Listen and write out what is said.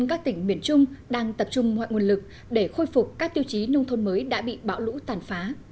các tiêu chí nông thôn mới đã bị bão lũ tàn phá